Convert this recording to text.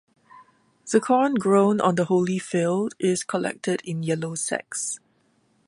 The corn grown on the holy field is collected in yellow sacks.